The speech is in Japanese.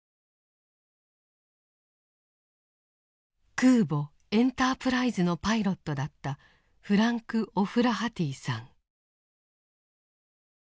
空母「エンタープライズ」のパイロットだったフランク・オフラハティさん。